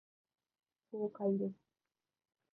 爽快です。